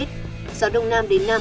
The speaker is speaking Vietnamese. gió đông nam đến nam